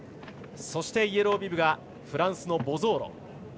そして、イエロービブがフランスのボゾーロ。